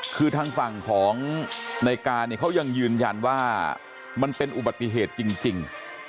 คือทางฝั่งของในการเนี่ยเขายังยืนยันว่ามันเป็นอุบัติเหตุจริง